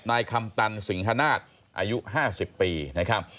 นายคำตันสิงฮนาศอายุ๕๐ปีนะครับ